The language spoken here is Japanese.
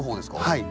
はい。